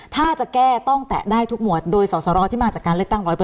ถ้าจะแก้ต้องแตะได้ทุกหมวดโดยสอสรที่มาจากการเลือกตั้ง๑๐๐